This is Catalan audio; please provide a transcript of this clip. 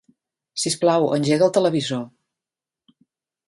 Sisplau, engega el televisor.